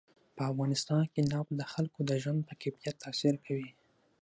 په افغانستان کې نفت د خلکو د ژوند په کیفیت تاثیر کوي.